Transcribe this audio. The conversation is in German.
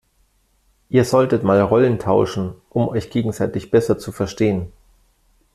Ihr solltet mal Rollen tauschen, um euch gegenseitig besser zu verstehen.